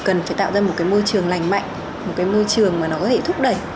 cần phải tạo ra một môi trường lành mạnh một môi trường có thể thúc đẩy